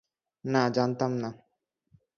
না, জানতাম না।